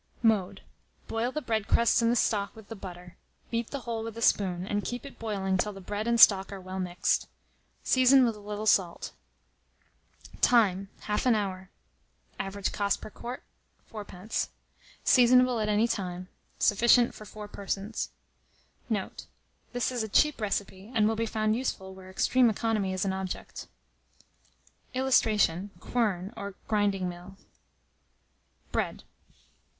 Mode. Boil the bread crusts in the stock with the butter; beat the whole with a spoon, and keep it boiling till the bread and stock are well mixed. Season with a little salt. Time. Half an hour. Average cost per quart, 4d. Seasonable at any time. Sufficient for 4 persons. Note. This is a cheap recipe, and will be found useful where extreme economy is an object. [Illustration: QUERN, or GRINDING MILL.] BREAD.